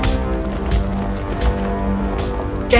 lalu dia pergi untuk tidur